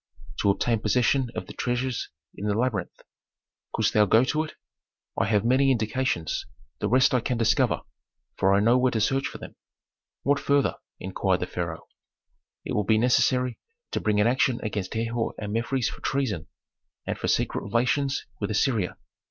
"To obtain possession of the treasures in the labyrinth." "Couldst thou go to it?" "I have many indications; the rest I can discover, for I know where to search for them." "What further?" inquired the pharaoh. [Illustration: Statue of the Pharaoh Tutankhamen] "It would be necessary to bring an action against Herhor and Mefres for treason, and for secret relations with Assyria."